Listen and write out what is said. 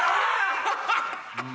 ハハハハ！